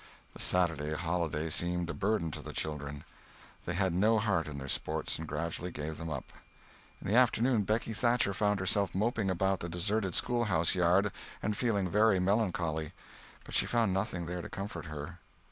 The Saturday holiday seemed a burden to the children. They had no heart in their sports, and gradually gave them up. In the afternoon Becky Thatcher found herself moping about the deserted schoolhouse yard, and feeling very melancholy. But she found nothing there to comfort her.